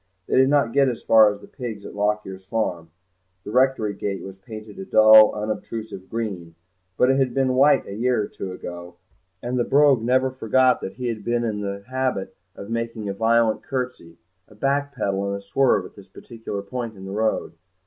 They did not get as far as the pigs at Lockyer's farm; the rectory gate was painted a dull unobtrusive green, but it had been white a year or two ago, and the Brogue never forgot that he had been in the habit of making a violent curtsey, a back pedal and a swerve at this particular point of the road.